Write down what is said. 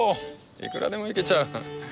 いくらでもいけちゃう。